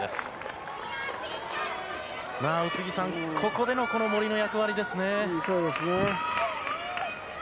ここでのこの森の役割ですね。